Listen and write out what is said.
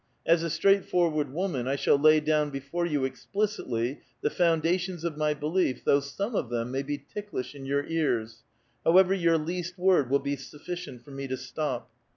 As a straightforward woman, I shall lay down before you explicitly the foundations of my belief, though some of them may be ticklish in your ears ; however, your least word will be sufficient for me to stop.